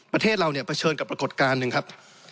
ประเทศเราเนี่ยเผชิญกับปรากฏการณ์หนึ่งครับ